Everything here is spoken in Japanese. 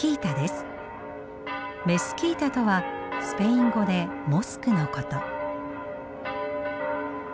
メスキータとはスペイン語でモスクのこと。